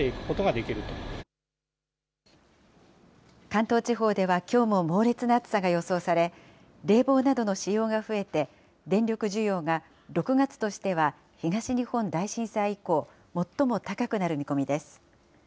関東地方ではきょうも猛烈な暑さが予想され、冷房などの使用が増えて、電力需要が６月としては、東日本大震災以降、最も高くなる見込みです。